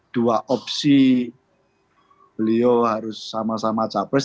dua opsi beliau harus sama sama capres